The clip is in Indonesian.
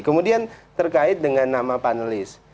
kemudian terkait dengan nama panelis